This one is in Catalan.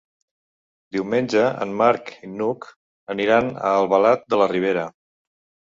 Diumenge en Marc i n'Hug aniran a Albalat de la Ribera.